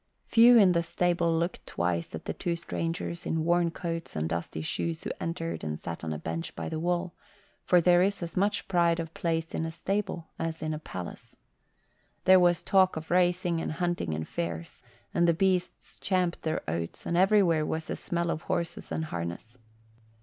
Few in the stable looked twice at the two strangers in worn coats and dusty shoes who entered and sat on a bench by the wall, for there is as much pride of place in a stable as in a palace. There was talk of racing and hunting and fairs, and the beasts champed their oats, and everywhere was the smell of horses and harness.